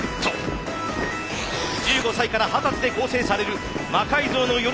１５歳から二十歳で構成される「魔改造の夜」